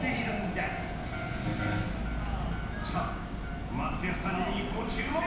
［さあ松也さんにご注目］